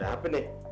eh ada apa nih